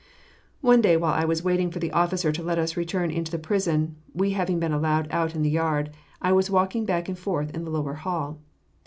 One day while I was waiting for the officer to let us return into the prison, we having been allowed out in the yard, I was walking back and forth in the lower hall.